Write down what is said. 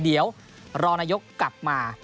เดี๋ยวรอนายกกลับมา